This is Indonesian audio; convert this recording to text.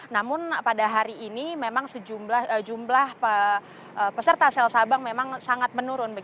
namun pada hari ini memang sejumlah peserta sel sabang memang sangat menurun